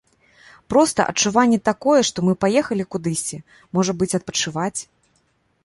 Проста адчуванне такое, што мы паехалі кудысьці, можа быць, адпачываць.